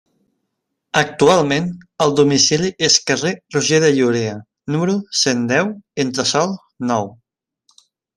Actualment el domicili és carrer Roger de Llúria, número cent deu, entresòl nou.